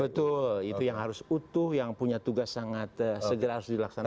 betul itu yang harus utuh yang punya tugas sangat segera harus dilaksanakan